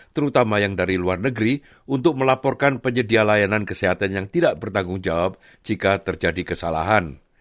terutama yang dari luar negeri untuk melaporkan penyedia layanan kesehatan yang tidak bertanggung jawab jika terjadi kesalahan